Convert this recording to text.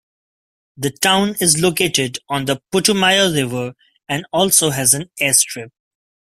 The town is located on the Putumayo River and also has an airstrip.